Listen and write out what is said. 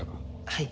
はい。